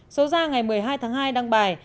số ra ngày một mươi hai tháng hai đăng bài